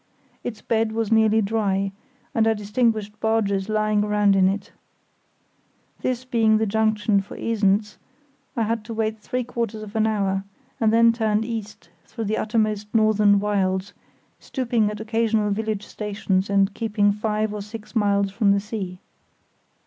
Its bed was nearly dry, and I distinguished barges lying aground in it. This being the junction for Esens, I had to wait three quarters of an hour, and then turned east through the uttermost northern wilds, stopping at occasional village stations and keeping five or six miles from the sea.